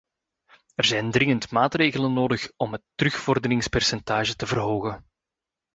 Er zijn dringend maatregelen noodzakelijk om het terugvorderingspercentage te verhogen.